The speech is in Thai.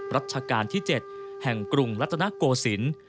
รัชกาลที่๗แห่งกรุงรัฐนโกศิลป์